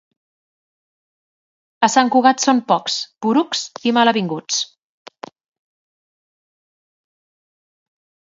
A Sant Cugat són pocs, porucs i malavinguts.